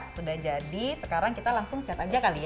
sudah jadi sekarang kita langsung cat aja kan